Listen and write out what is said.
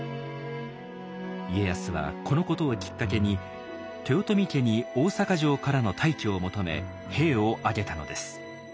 家康はこのことをきっかけに豊臣家に大坂城からの退去を求め兵を挙げたのです。